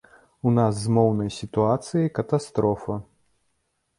У нас з моўнай сітуацыяй катастрофа.